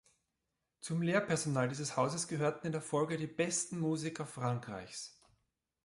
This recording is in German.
Zum Lehrpersonal dieses Hauses gehörten in der Folge die besten Musiker Frankreichs.